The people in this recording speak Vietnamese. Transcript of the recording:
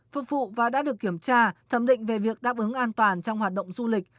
phục vụ và đã được kiểm tra thẩm định về việc đáp ứng an toàn trong hoạt động du lịch